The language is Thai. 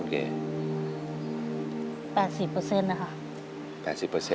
๘๐นะคะ